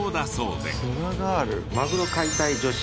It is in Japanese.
マグロ解体女子？